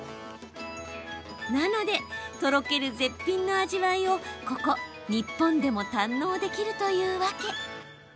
なので、とろける絶品の味わいをここ日本でも堪能できるというわけ。